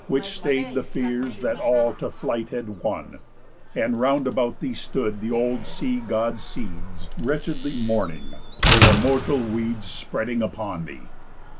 Which stay'd the fears that all to flight had won; And round about thee stood th' old sea God's Seeds Wretchedly mourning, their immortal weeds Spreading upon thee.